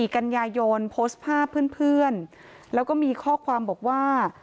กันยายนโพสต์ภาพเพื่อนแล้วก็มีข้อความบอกว่า